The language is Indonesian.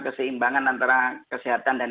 keseimbangan antara kesehatan dan